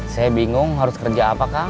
saya bingung harus kerja apa kang